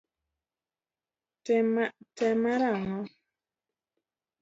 Te mar ang'o?